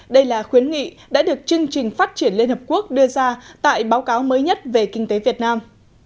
đây là khuyến nghị đã được chương trình phát triển liên hợp quốc đưa ra tại báo cáo mới nhất về kinh tế việt nam